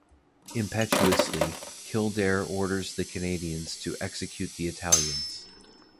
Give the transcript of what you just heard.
Impetuously, Kildare orders the Canadians to execute the Italians.